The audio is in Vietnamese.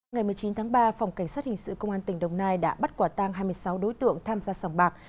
ngày một mươi chín tháng ba phòng cảnh sát hình sự công an tỉnh đồng nai đã bắt quả tang hai mươi sáu đối tượng tham gia sòng bạc